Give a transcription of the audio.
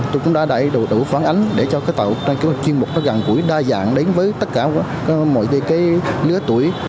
tôi cũng đã đầy đủ phản ánh để cho cái tạo chuyên mục gần gũi đa dạng đến với tất cả mọi lứa tuổi